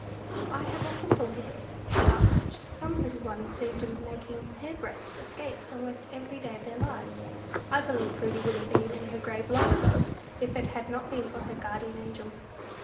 "I have often thought of it," said aunt Madge. "Some little ones seem to be making hair breadth escapes almost every day of their lives. I believe Prudy would have been in her grave long ago, if it had not been for her guardian angel."